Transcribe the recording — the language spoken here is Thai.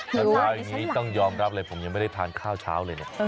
ตอนนี้ต้องยอมรับเลยผมยังไม่ได้ทานข้าวเช้าเลย